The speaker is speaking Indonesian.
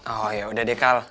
oh ya udah deh kal